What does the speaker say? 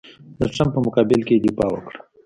د ټرمپ په مقابل کې یې دفاع وکړه.